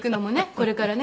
これからね